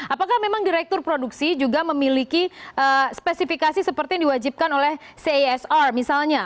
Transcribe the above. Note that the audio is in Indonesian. apakah memang direktur produksi juga memiliki spesifikasi seperti yang diwajibkan oleh casr misalnya